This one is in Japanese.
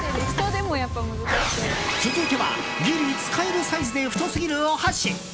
続いては、ギリ使えるサイズで太すぎるお箸。